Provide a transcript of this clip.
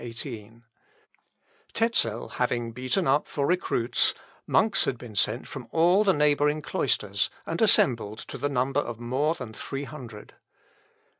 Tezel having beaten up for recruits, monks had been sent from all the neighbouring cloisters, and assembled to the number of more than three hundred.